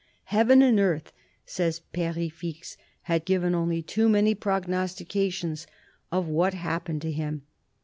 " Heaven and earth," says Perefixe, " had given only too many prognostications of what happened to him.